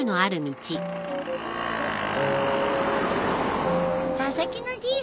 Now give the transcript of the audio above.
佐々木のじいさんだ。